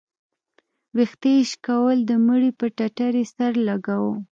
ويښته يې شكول د مړي پر ټټر يې سر لګاوه.